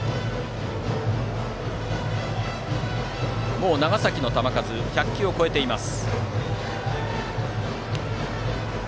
もう長崎の球数は１００球を超えています。